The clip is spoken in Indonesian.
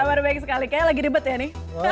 kabar baik sekali kayaknya lagi ribet ya nih